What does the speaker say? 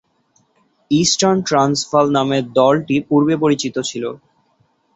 Eastern Transvaal নামে দলটি পূর্বে পরিচিত ছিল।